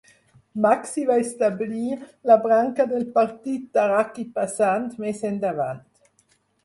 Magsi va establir la branca del partit Taraqi Pasand més endavant.